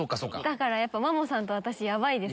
やっぱマモさんと私ヤバいです。